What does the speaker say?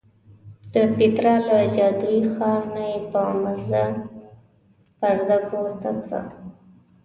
د پیترا له جادویي ښار نه یې په مزه پرده پورته کړه.